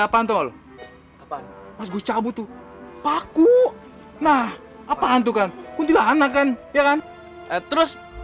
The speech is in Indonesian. apaan tol pas gue cabut tuh paku nah apaan tuh kan kuntilanak kan ya kan terus